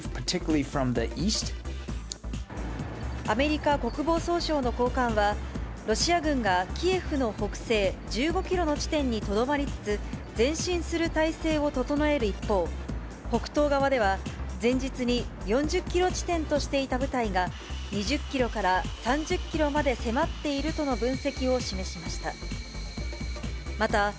アメリカ国防総省の高官は、ロシア軍がキエフの北西１５キロの地点にとどまりつつ、前進する態勢を整える一方、北東側では、前日に４０キロ地点としていた部隊が、２０キロから３０キロまで迫っているとの分析を示しました。